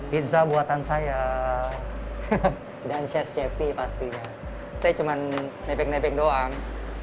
pizza buatan saya dan chef chefy pastinya saya cuman nepek nepek doang